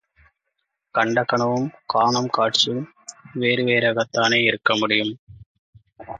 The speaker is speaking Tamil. கண்ட கனவும், காணும் காட்சியும் வேறு வேறாகத் தானே இருக்க முடியும்.